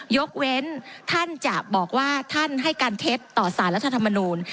ยกเว้นท่านจะบอกว่าท่านให้การเท็จต่อสารรัฐธรรมนูล